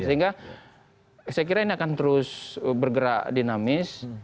sehingga saya kira ini akan terus bergerak dinamis